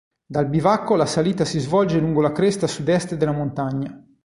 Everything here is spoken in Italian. Dal bivacco la salita si svolge lungo la cresta sud-est della montagna.